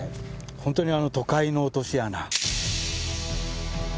本当に都会の落とし穴。